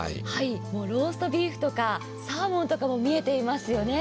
ローストビーフとかサーモンとかも見えていますよね。